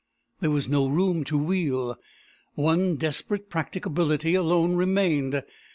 There was no room to wheel. One desperate practicability alone remained.